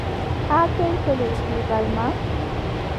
Haa toy pellel kuugal ma ?